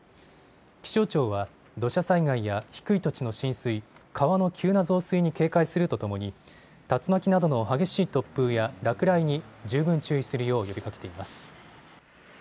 気象庁は土砂災害や低い土地の浸水、川の急な増水に警戒するとともに竜巻などの激しい突風や落雷に十分注意するよう呼びかけています。